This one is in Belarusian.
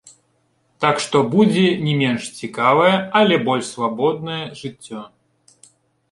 Так што будзе не менш цікавае, але больш свабоднае жыццё.